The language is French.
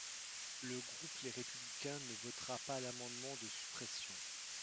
Le groupe Les Républicains ne votera pas l’amendement de suppression.